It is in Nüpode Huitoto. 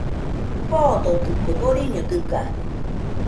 Foododɨkue, boriño dɨga